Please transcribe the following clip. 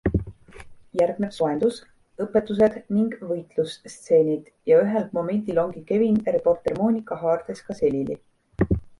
Järgneb soendus, õpetused ning võitlusstseenid ja ühel momendil ongi Kevin reporter Monika haardes ka selili.